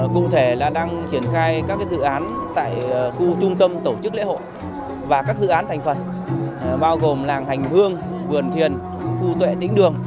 cụ thể là đang triển khai các dự án tại khu trung tâm tổ chức lễ hội